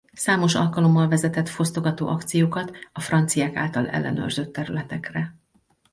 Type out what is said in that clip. Számos alkalommal vezetett fosztogató akciókat a franciák által ellenőrzött területekre.